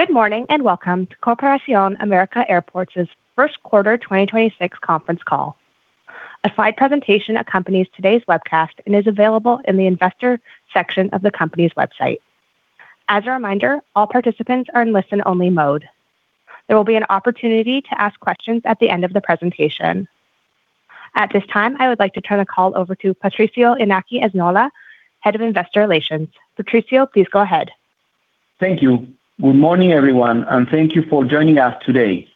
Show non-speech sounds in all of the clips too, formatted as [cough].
Good morning. Welcome to Corporación América Airports' first quarter 2026 conference call. A slide presentation accompanies today's webcast and is available in the investor section of the company's website. As a reminder, all participants are in listen-only mode. There will be an opportunity to ask questions at the end of the presentation. At this time, I would like to turn the call over to Patricio Iñaki Esnaola, Head of Investor Relations. Patricio, please go ahead. Thank you. Good morning, everyone, and thank you for joining us today.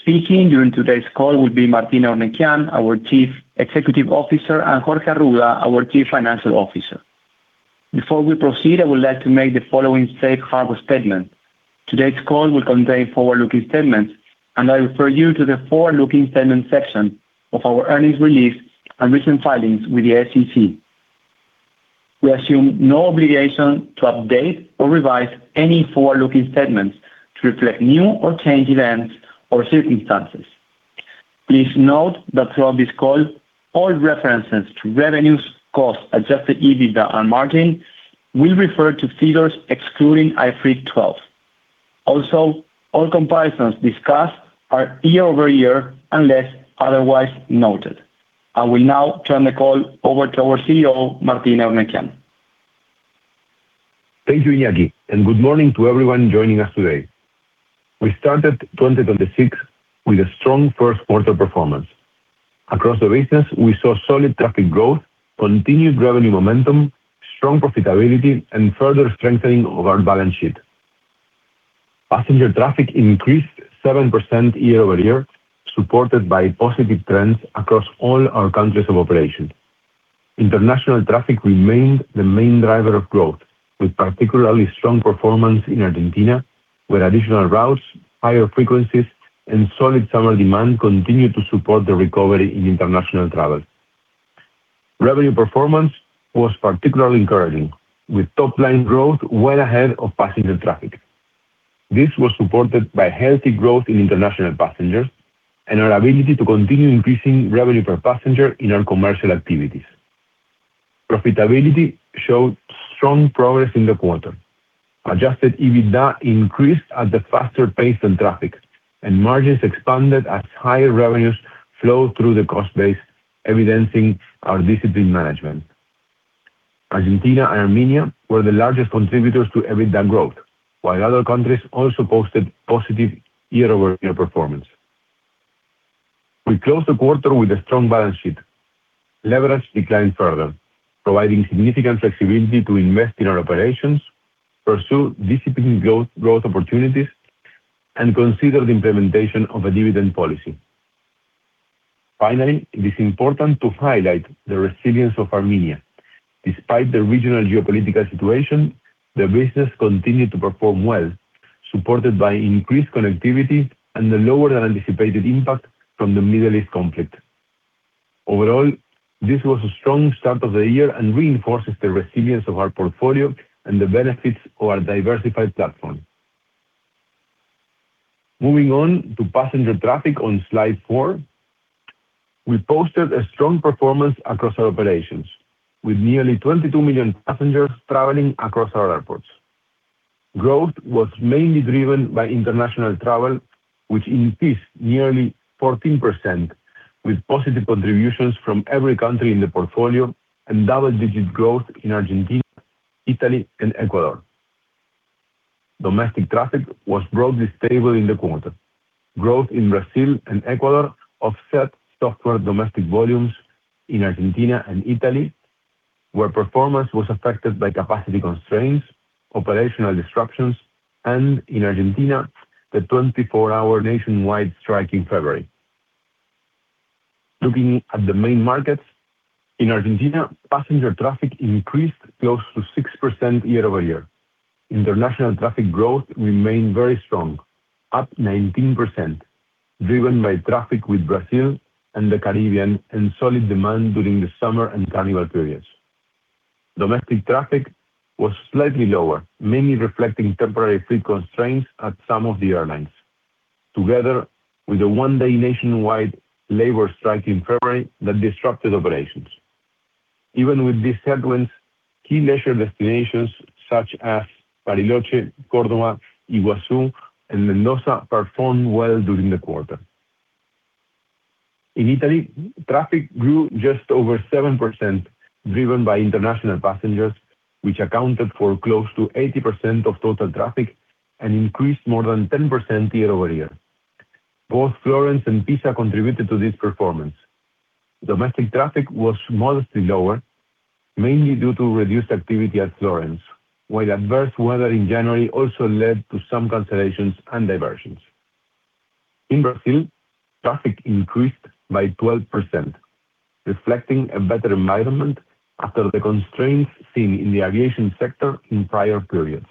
Speaking during today's call will be Martín Eurnekian, our Chief Executive Officer, and Jorge Arruda, our Chief Financial Officer. Before we proceed, I would like to make the following safe harbor statement. Today's call will contain forward-looking statements, and I refer you to the forward-looking statements section of our earnings release and recent filings with the SEC. We assume no obligation to update or revise any forward-looking statements to reflect new or changed events or circumstances. Please note that throughout this call, all references to revenues, costs, Adjusted EBITDA, and margin will refer to figures excluding IFRIC 12. Also, all comparisons discussed are year-over-year, unless otherwise noted. I will now turn the call over to our CEO, Martín Eurnekian. Thank you, Iñaki, and good morning to everyone joining us today. We started 2026 with a strong first quarter performance. Across the business, we saw solid traffic growth, continued revenue momentum, strong profitability, and further strengthening of our balance sheet. Passenger traffic increased 7% year-over-year, supported by positive trends across all our countries of operation. International traffic remained the main driver of growth, with particularly strong performance in Argentina, where additional routes, higher frequencies, and solid summer demand continued to support the recovery in international travel. Revenue performance was particularly encouraging, with top-line growth well ahead of passenger traffic. This was supported by healthy growth in international passengers and our ability to continue increasing revenue per passenger in our commercial activities. Profitability showed strong progress in the quarter. Adjusted EBITDA increased at a faster pace than traffic, and margins expanded as higher revenues flowed through the cost base, evidencing our disciplined management. Argentina and Armenia were the largest contributors to EBITDA growth, while other countries also posted positive year-over-year performance. We closed the quarter with a strong balance sheet. Leverage declined further, providing significant flexibility to invest in our operations, pursue disciplined growth opportunities, and consider the implementation of a dividend policy. Finally, it is important to highlight the resilience of Armenia. Despite the regional geopolitical situation, the business continued to perform well, supported by increased connectivity and the lower-than-anticipated impact from the Middle East conflict. Overall, this was a strong start of the year and reinforces the resilience of our portfolio and the benefits of our diversified platform. Moving on to passenger traffic on slide four, we posted a strong performance across our operations, with nearly 22 million passengers traveling across our airports. Growth was mainly driven by international travel, which increased nearly 14%, with positive contributions from every country in the portfolio and double-digit growth in Argentina, Italy, and Ecuador. Domestic traffic was broadly stable in the quarter. Growth in Brazil and Ecuador offset softer domestic volumes in Argentina and Italy, where performance was affected by capacity constraints, operational disruptions, and in Argentina, the 24-hour nationwide strike in February. Looking at the main markets, in Argentina, passenger traffic increased close to 6% year-over-year. International traffic growth remained very strong, up 19%, driven by traffic with Brazil and the Caribbean, and solid demand during the summer and carnival periods. Domestic traffic was slightly lower, mainly reflecting temporary fleet constraints at some of the airlines, together with a one-day nationwide labor strike in February that disrupted operations. Even with these headwinds, key leisure destinations such as Bariloche, Córdoba, Iguazú, and Mendoza performed well during the quarter. In Italy, traffic grew just over 7%, driven by international passengers, which accounted for close to 80% of total traffic and increased more than 10% year-over-year. Both Florence and Pisa contributed to this performance. Domestic traffic was modestly lower, mainly due to reduced activity at Florence, while adverse weather in January also led to some cancellations and diversions. In Brazil, traffic increased by 12%, reflecting a better environment after the constraints seen in the aviation sector in prior periods.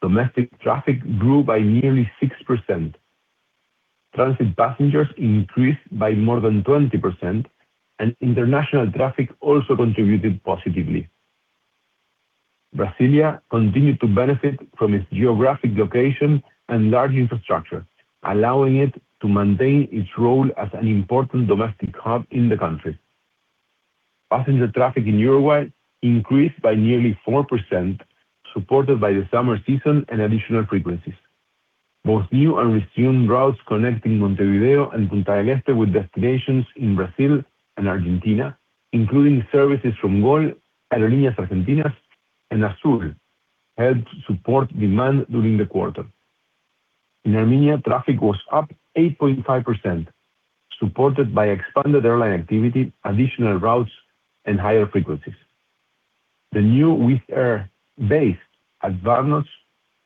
Domestic traffic grew by nearly 6%. Transit passengers increased by more than 20%, and international traffic also contributed positively. Brasilia continued to benefit from its geographic location and large infrastructure, allowing it to maintain its role as an important domestic hub in the country. Passenger traffic in Uruguay increased by nearly 4%, supported by the summer season and additional frequencies. Both new and resumed routes connecting Montevideo and Punta del Este with destinations in Brazil and Argentina, including services from GOL, Aerolíneas Argentinas, and Azul, helped support demand during the quarter. In Armenia, traffic was up 8.5%, supported by expanded airline activity, additional routes, and higher frequencies. The new Wizz Air base at Zvartnots,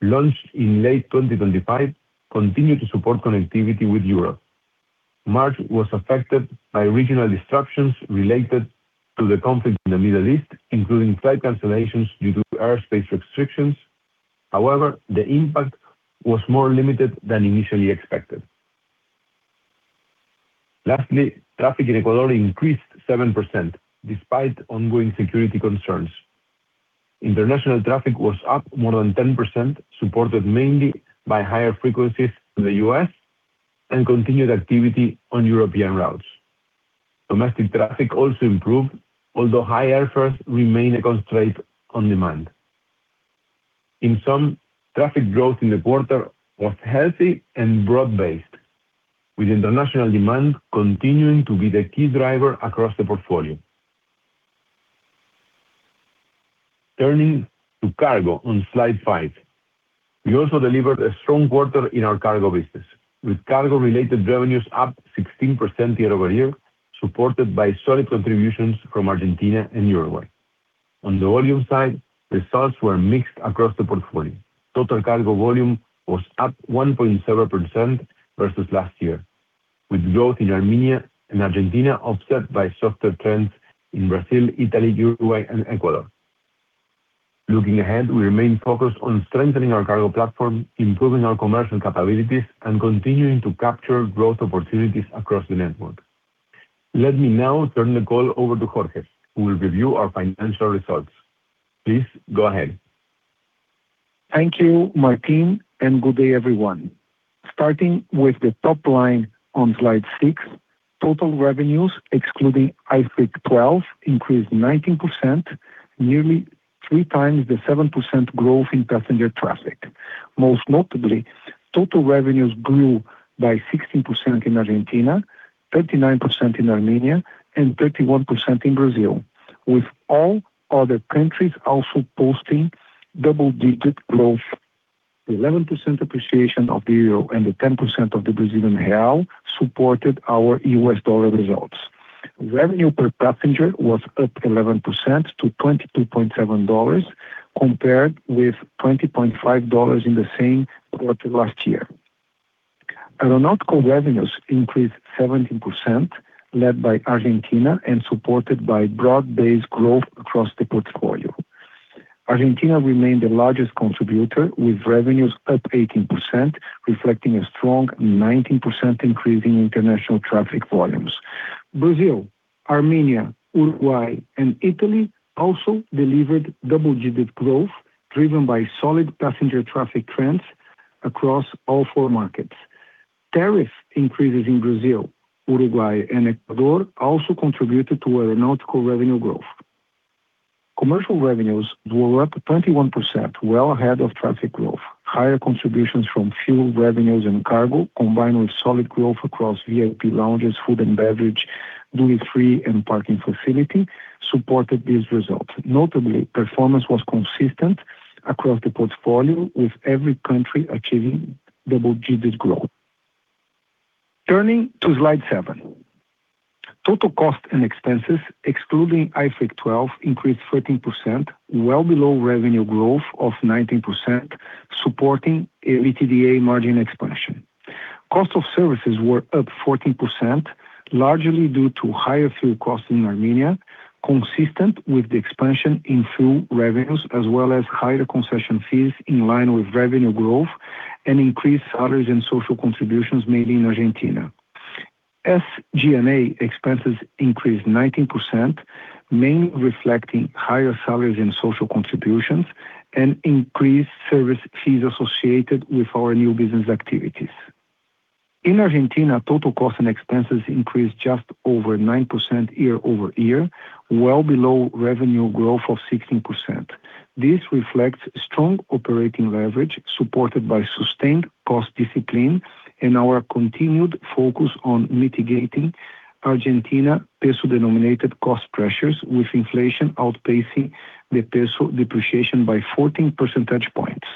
launched in late 2025, continued to support connectivity with Europe. March was affected by regional disruptions related to the conflict in the Middle East, including flight cancellations due to airspace restrictions. However, the impact was more limited than initially expected. Lastly, traffic in Ecuador increased 7% despite ongoing security concerns. International traffic was up more than 10%, supported mainly by higher frequencies to the U.S. and continued activity on European routes. Domestic traffic also improved, although high airfares remain a constraint on demand. In sum, traffic growth in the quarter was healthy and broad-based, with international demand continuing to be the key driver across the portfolio. Turning to cargo on slide five. We also delivered a strong quarter in our cargo business, with cargo-related revenues up 16% year-over-year, supported by solid contributions from Argentina and Uruguay. On the volume side, results were mixed across the portfolio. Total cargo volume was up 1.7% versus last year, with growth in Armenia and Argentina offset by softer trends in Brazil, Italy, Uruguay, and Ecuador. Looking ahead, we remain focused on strengthening our cargo platform, improving our commercial capabilities, and continuing to capture growth opportunities across the network. Let me now turn the call over to Jorge, who will review our financial results. Please go ahead. Thank you, Martín, and good day, everyone. Starting with the top line on slide six, total revenues, excluding IFRIC 12, increased 19%, nearly 3x the 7% growth in passenger traffic. Most notably, total revenues grew by 16% in Argentina, 39% in Armenia, and 31% in Brazil, with all other countries also posting double-digit growth. 11% appreciation of the EUR and the 10% of the BRL supported our US dollar results. Revenue per passenger was up 11% to $22.7, compared with $20.5 in the same quarter last year. Aeronautical revenues increased 17%, led by Argentina and supported by broad-based growth across the portfolio. Argentina remained the largest contributor, with revenues up 18%, reflecting a strong 19% increase in international traffic volumes. Brazil, Armenia, Uruguay, and Italy also delivered double-digit growth, driven by solid passenger traffic trends across all four markets. Tariff increases in Brazil, Uruguay, and Ecuador also contributed to aeronautical revenue growth. Commercial revenues were up 21%, well ahead of traffic growth. Higher contributions from fuel revenues and cargo, combined with solid growth across VIP lounges, food and beverage, duty free, and parking facility, supported these results. Notably, performance was consistent across the portfolio, with every country achieving double-digit growth. Turning to slide seven. Total cost and expenses, excluding IFRIC 12, increased 13%, well below revenue growth of 19%, supporting EBITDA margin expansion. Cost of services were up 14%, largely due to higher fuel costs in Armenia, consistent with the expansion in fuel revenues, as well as higher concession fees in line with revenue growth and increased salaries and social contributions made in Argentina. SG&A expenses increased 19%, mainly reflecting higher salaries and social contributions and increased service fees associated with our new business activities. In Argentina, total cost and expenses increased just over 9% year-over-year, well below revenue growth of 16%. This reflects strong operating leverage supported by sustained cost discipline and our continued focus on mitigating Argentine peso-denominated cost pressures, with inflation outpacing the peso depreciation by 14 percentage points.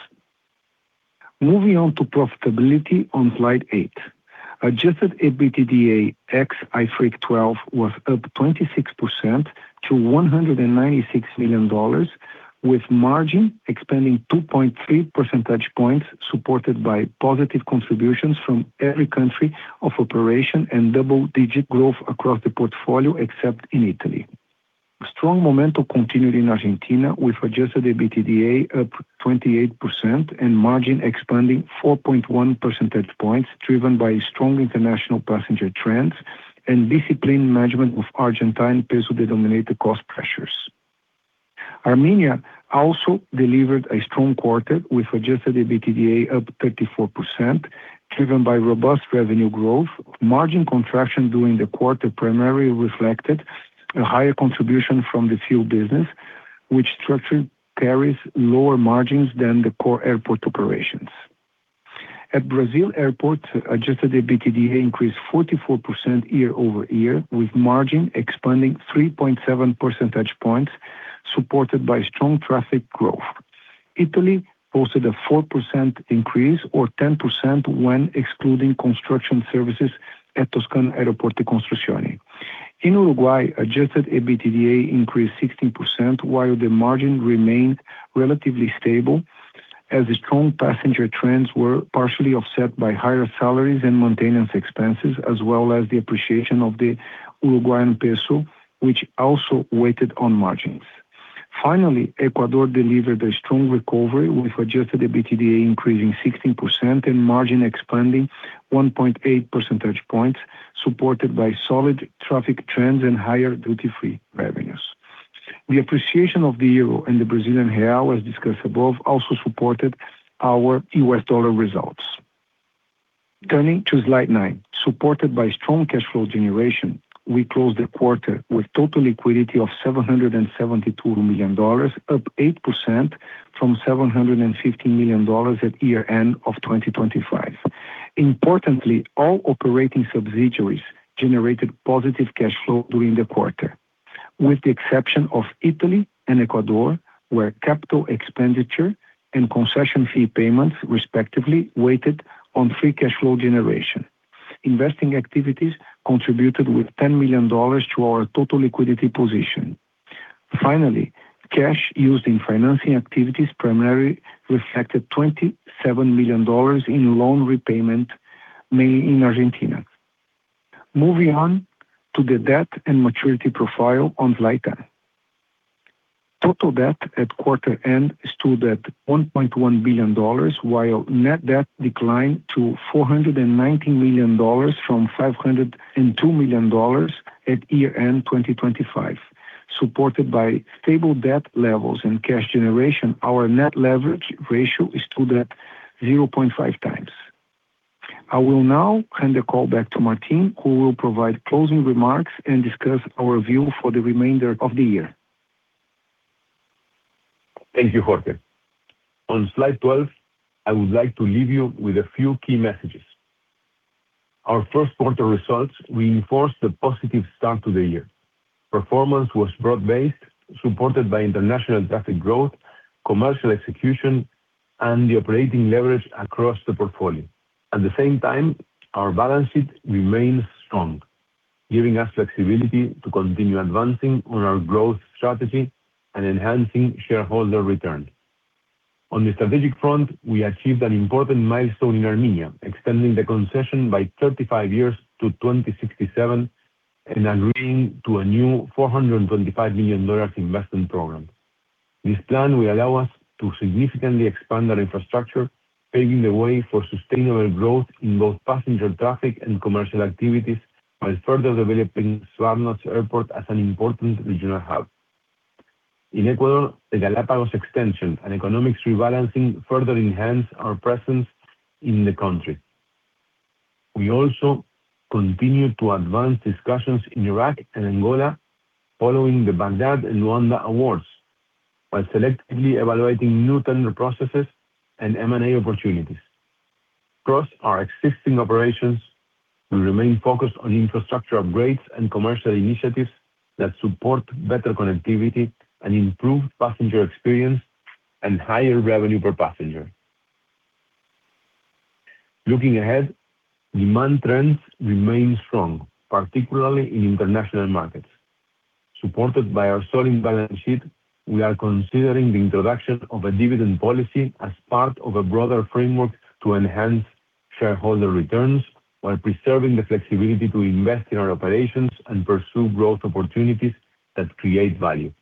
Moving on to profitability on slide eight. Adjusted EBITDA ex IFRIC 12 was up 26% to $196 million, with margin expanding 2.3 percentage points, supported by positive contributions from every country of operation and double-digit growth across the portfolio, except in Italy. Strong momentum continued in Argentina, with Adjusted EBITDA up 28% and margin expanding 4.1 percentage points, driven by strong international passenger trends and disciplined management of Argentine peso-denominated costs. Armenia also delivered a strong quarter with Adjusted EBITDA up 34%, driven by robust revenue growth. Margin contraction during the quarter primarily reflected a higher contribution from the fuel business, which structurally carries lower margins than the core airport operations. At Brazil Airport, Adjusted EBITDA increased 44% year-over-year, with margin expanding 3.7 percentage points, supported by strong traffic growth. Italy posted a 4% increase, or 10% when excluding construction services at Toscana Aeroporti e Costruzioni. In Uruguay, Adjusted EBITDA increased 16%, while the margin remained relatively stable as the strong passenger trends were partially offset by higher salaries and maintenance expenses, as well as the appreciation of the Uruguayan peso, which also weighted on margins. Finally, Ecuador delivered a strong recovery, with Adjusted EBITDA increasing 16% and margin expanding 1.8 percentage points, supported by solid traffic trends and higher duty-free revenues. The appreciation of the euro and the Brazilian real, as discussed above, also supported our US dollar results. Turning to slide nine. Supported by strong cash flow generation, we closed the quarter with total liquidity of $772 million, up 8% from $750 million at year-end of 2025. Importantly, all operating subsidiaries generated positive cash flow during the quarter, with the exception of Italy and Ecuador, where capital expenditure and concession fee payments respectively weighted on free cash flow generation. Investing activities contributed with $10 million to our total liquidity position. Finally, cash used in financing activities primarily reflected $27 million in loan repayment, mainly in Argentina. Moving on to the debt and maturity profile on slide 10. Total debt at quarter end stood at $1.1 billion, while net debt declined to $419 million from $502 million at year-end 2025. Supported by stable debt levels and cash generation, our net leverage ratio stood at 0.5x. I will now hand the call back to Martín, who will provide closing remarks and discuss our view for the remainder of the year. Thank you, Jorge. On slide 12, I would like to leave you with a few key messages. Our first quarter results reinforce the positive start to the year. Performance was broad-based, supported by international traffic growth, commercial execution, and the operating leverage across the portfolio. At the same time, our balance sheet remains strong, giving us flexibility to continue advancing on our growth strategy and enhancing shareholder return. On the strategic front, we achieved an important milestone in Armenia, extending the concession by 35 years to 2067 and agreeing to a new $425 million investment program. This plan will allow us to significantly expand our infrastructure, paving the way for sustainable growth in both passenger traffic and commercial activities, while further developing Zvartnots Airport as an important regional hub. In Ecuador, the Galapagos extension and economics rebalancing further enhance our presence in the country. We also continue to advance discussions in Iraq and Angola following the Baghdad and Luanda awards, while selectively evaluating new tender processes and M&A opportunities. Across our existing operations, we remain focused on infrastructure upgrades and commercial initiatives that support better connectivity and improved passenger experience and higher revenue per passenger. Looking ahead, demand trends remain strong, particularly in international markets. Supported by our solid balance sheet, we are considering the introduction of a dividend policy as part of a broader framework to enhance shareholder returns while preserving the flexibility to invest in our operations and pursue growth opportunities that create value.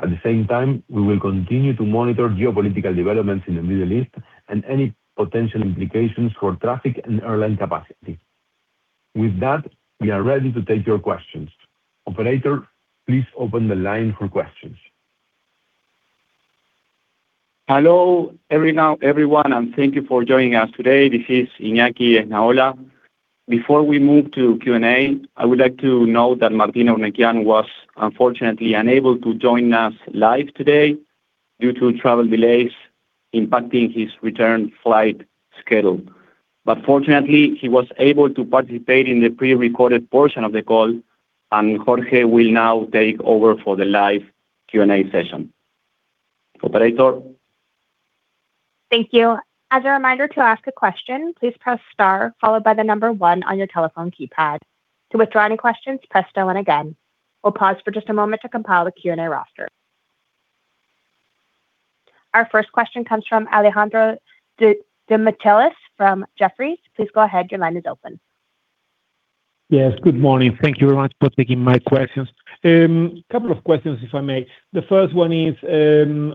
At the same time, we will continue to monitor geopolitical developments in the Middle East and any potential implications for traffic and airline capacity. With that, we are ready to take your questions. Operator, please open the line for questions. Hello, everyone, thank you for joining us today. This is Iñaki Esnaola. Before we move to Q&A, I would like to note that Martín Eurnekian was unfortunately unable to join us live today due to travel delays impacting his return flight schedule. Fortunately, he was able to participate in the prerecorded portion of the call, and Jorge will now take over for the live Q&A session. Operator? Thank you. As a reminder to ask a question, please press star followed by one on your telephone keypad. To withdraw any questions, press star one again. We'll pause for just a moment to compile the Q&A roster. Our first question comes from Alejandro Demichelis from Jefferies. Please go ahead, your line is open. Yes, good morning. Thank you very much for taking my questions. Couple of questions, if I may. The first one is,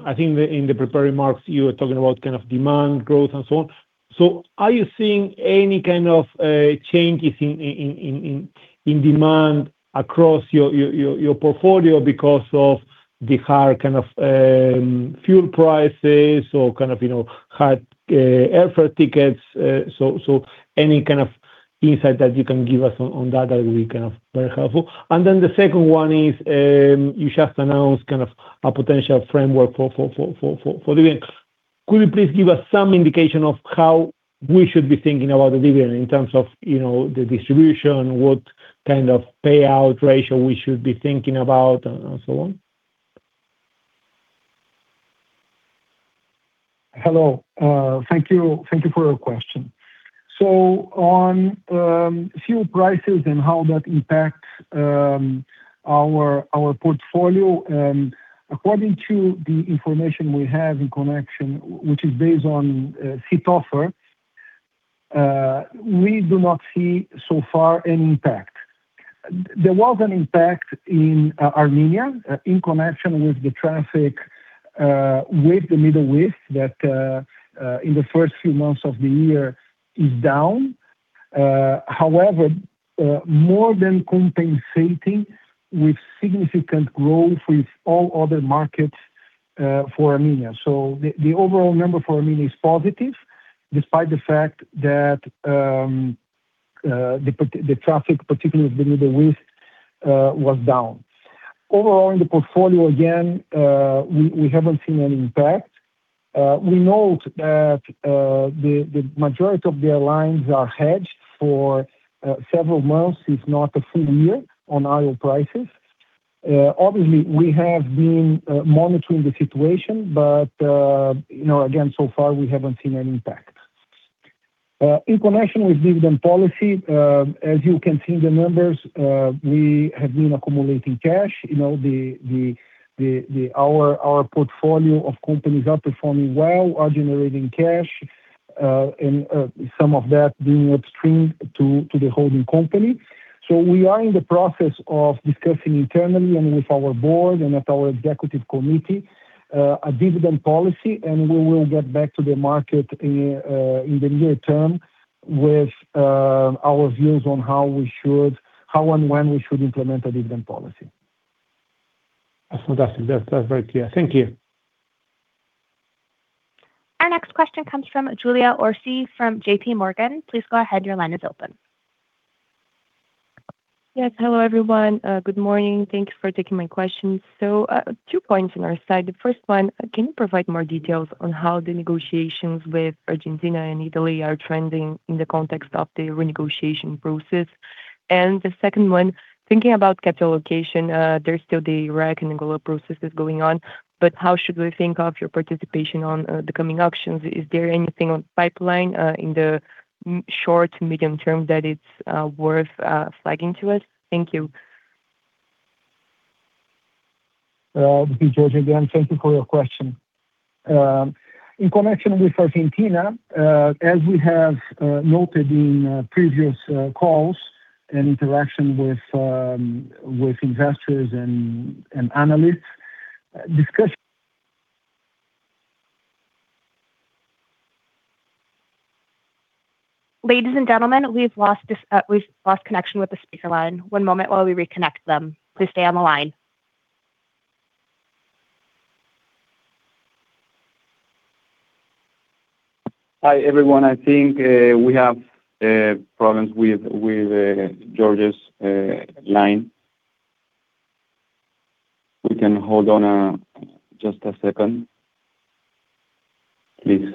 I think in the prepared remarks, you were talking about kind of demand growth and so on. Are you seeing any kind of changes in demand across your portfolio because of the higher kind of fuel prices or kind of, you know, high airfare tickets? Any kind of insight that you can give us on that will be kind of very helpful. The second one is, you just announced kind of a potential framework for dividend. Could you please give us some indication of how we should be thinking about the dividend in terms of, you know, the distribution, what kind of payout ratio we should be thinking about, and so on? Hello, thank you. Thank you for your question. On fuel prices and how that impacts our portfolio, according to the information we have in connection, which is based on seat offer, we do not see so far an impact. There was an impact in Armenia in connection with the traffic with the Middle East that in the first few months of the year is down. However, more than compensating with significant growth with all other markets for Armenia. The overall number for Armenia is positive, despite the fact that the traffic, particularly with the Middle East, was down. Overall, in the portfolio again, we haven't seen an impact. We note that the majority of the airlines are hedged for several months, if not a full year on oil prices. Obviously we have been monitoring the situation, but, you know, again, so far we haven't seen an impact. In connection with dividend policy, as you can see the numbers, we have been accumulating cash. You know, the our portfolio of companies are performing well, are generating cash, and some of that being upstreamed to the holding company. We are in the process of discussing internally and with our board and at our executive committee a dividend policy, and we will get back to the market in the near term with our views on how we should, how and when we should implement a dividend policy. That's fantastic. That's very clear. Thank you. Our next question comes from Giuliana de Orsi from JPMorgan. Please go ahead, your line is open. Yes, hello, everyone. Good morning. Thank you for taking my questions. Two points on our side. The first one, can you provide more details on how the negotiations with Argentina and Italy are trending in the context of the renegotiation process? The second one, thinking about capital allocation, there's still the Iraq and Angola processes going on, but how should we think of your participation on the coming auctions? Is there anything on pipeline in the short to medium term that is worth flagging to us? Thank you. This is Jorge again. Thank you for your question. In connection with Argentina, as we have noted in previous calls and interaction with investors and analysts. Ladies and gentlemen, we've lost connection with the speaker line. One moment while we reconnect them. Please stay on the line. Hi, everyone. I think we have problems with Jorge's line. We can hold on just a second, please.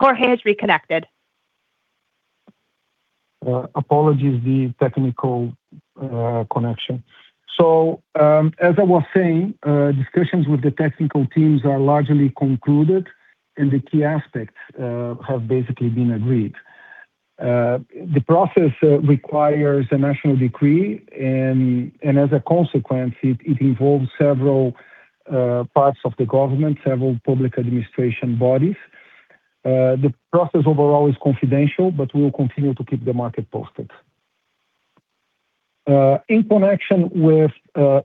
Jorge has reconnected. Apologies, the technical connection. As I was saying, discussions with the technical teams are largely concluded, and the key aspects have basically been agreed. The process requires a national decree and as a consequence, it involves several parts of the government, several public administration bodies. The process overall is confidential, but we will continue to keep the market posted. In connection with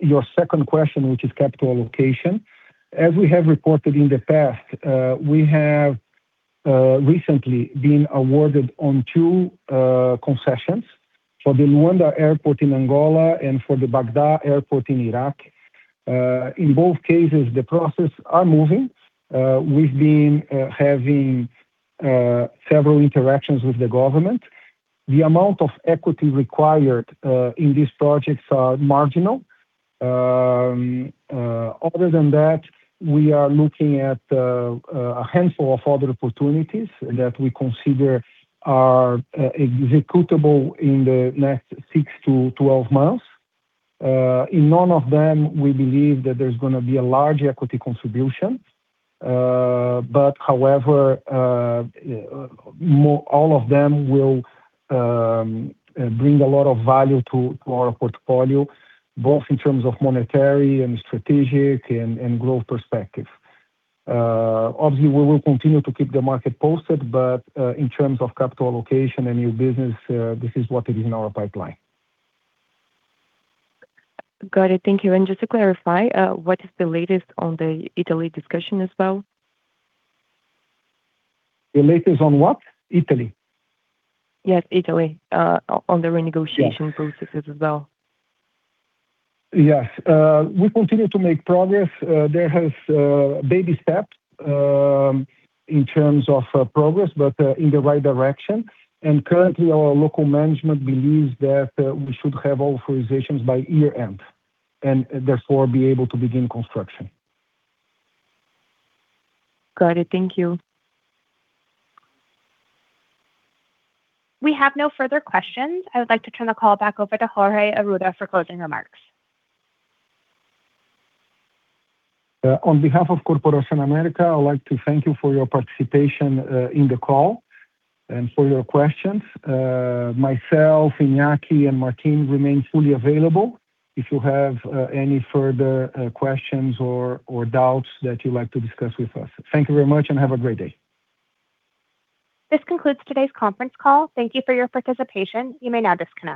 your second question, which is capital allocation, as we have reported in the past, we have recently been awarded on two concessions for the Luanda Airport in Angola and for the Baghdad Airport in Iraq. In both cases, the process is moving. We've been having several interactions with the government. The amount of equity required in these projects is marginal. Other than that, we are looking at a handful of other opportunities that we consider are executable in the next six to 12 months. In none of them we believe that there's gonna be a large equity contribution. However, all of them will bring a lot of value to our portfolio, both in terms of monetary and strategic and growth perspective. Obviously, we will continue to keep the market posted, but in terms of capital allocation and new business, this is what is in our pipeline. Got it. Thank you. Just to clarify, what is the latest on the Italy discussion as well? The latest on what? Italy? Yes, Italy. On the renegotiation. [inaudible] Yes process as well. Yes. We continue to make progress. There has baby steps in terms of progress, but in the right direction. Currently our local management believes that we should have authorizations by year-end and, therefore, be able to begin construction. Got it. Thank you. We have no further questions. I would like to turn the call back over to Jorge Arruda for closing remarks. On behalf of Corporación América, I would like to thank you for your participation in the call and for your questions. Myself, Iñaki, and Martín remain fully available if you have any further questions or doubts that you'd like to discuss with us. Thank you very much and have a great day. This concludes today's conference call. Thank you for your participation. You may now disconnect.